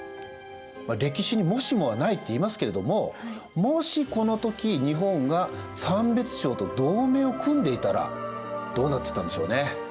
歴史にもしもはないって言いますけれどももしこの時日本が三別抄と同盟を組んでいたらどうなってたんでしょうね。